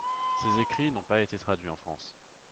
Ces écrits n’ont pas été traduits en France.